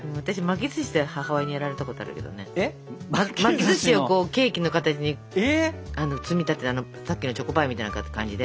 巻きずしをケーキの形に積み立ててさっきのチョコパイみたいな感じで。